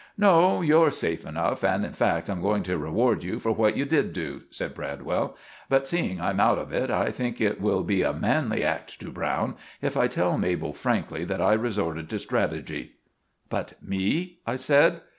"No, you're safe enough, and, in fact, I'm going to reward you for what you did do," said Bradwell. "But seeing I'm out of it, I think it will be a manly act to Browne if I tell Mabel frankly that I resorted to strateji." "But me?" I said.